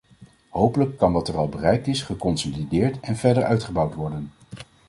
Hopelijk kan wat er al bereikt is geconsolideerd en verder uitgebouwd worden.